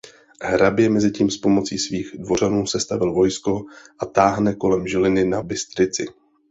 Hrabě mezitím s pomocí svých „dvořanů“ sestavil „vojsko“ a táhne kolem Žiliny na Bystrici.